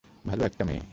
ভালো একটা মেয়ে।